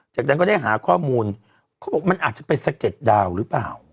จากนั้นก็ได้หาข้อมูลเขาบอกมันอาจจะเป็นสะเก็ดดาวหรือเปล่า